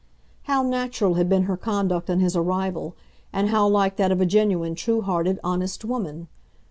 How natural had been her conduct on his arrival, and how like that of a genuine, true hearted, honest woman!